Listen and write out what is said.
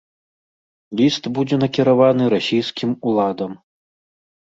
Ліст будзе накіраваны расійскім уладам.